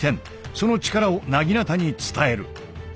その力を薙刀に伝える。